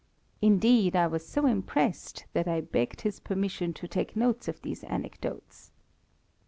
Indeed, I was so impressed that I begged his permission to take notes of these anecdotes.